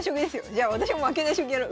じゃあ私も負けない将棋やろ。